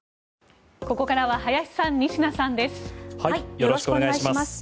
よろしくお願いします。